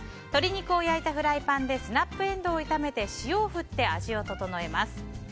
鶏肉を焼いたフライパンでスナップエンドウを炒めて塩を振って味を調えます。